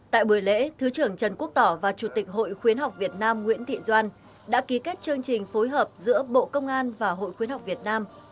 tại buổi lễ thứ trưởng trần quốc tỏ và chủ tịch hội khuyến học việt nam nguyễn thị doan đã ký kết chương trình phối hợp giữa bộ công an và hội khuyến học việt nam